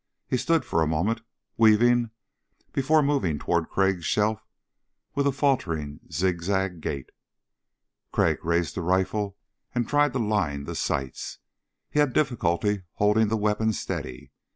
He stood for a moment, weaving, before moving toward Crag's shelf with a faltering zigzag gait. Crag raised the rifle and tried to line the sights. He had difficulty holding the weapon steady.